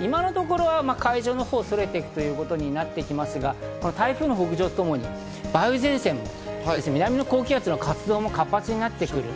今のところ海上にそれていくということになっていますが、台風の北上とともに梅雨前線、南の高気圧の活動も活発になってきます。